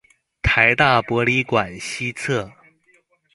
臺大博理館西側